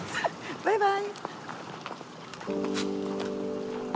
バイバイ。